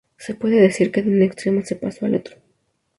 Se puede decir que de un extremo se pasó al otro.